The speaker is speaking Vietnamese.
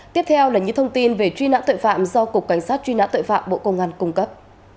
tiếp theo là những thông tin về truy nã tội phạm do cục cảnh sát truy nã tội phạm bộ công an cung cấp